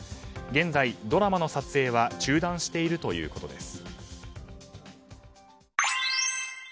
現在、ドラマの撮影は中断しているということです。